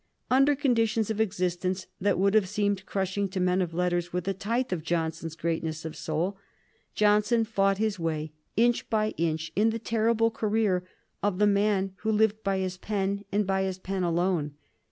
Under conditions of existence that would have seemed crushing to men of letters with a tithe of Johnson's greatness of soul, Johnson fought his way inch by inch in the terrible career of the man who lived by his pen, and by his pen alone.